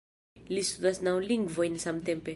Li studas naŭ lingvojn samtempe